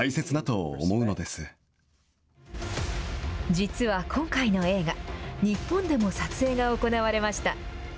実は今回の映画、日本でも撮影が行われました。